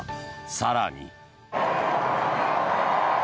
更に。